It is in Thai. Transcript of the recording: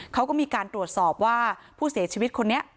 เขาก็มีการตรวจสอบว่าผู้เสียชีวิตคนนี้